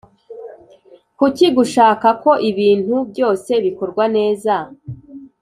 Kuki gushaka ko ibintu byose bikorwa neza